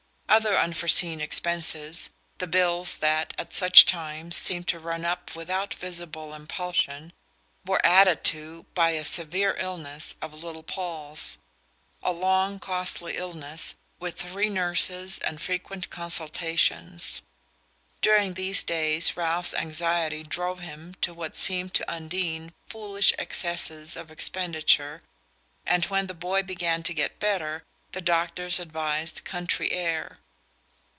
Other unforeseen expenses the bills, that, at such times, seem to run up without visible impulsion were added to by a severe illness of little Paul's: a long costly illness, with three nurses and frequent consultations. During these days Ralph's anxiety drove him to what seemed to Undine foolish excesses of expenditure and when the boy began to get better the doctors advised country air.